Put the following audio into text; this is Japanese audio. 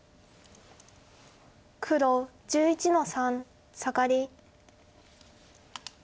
黒１１の三サガリ。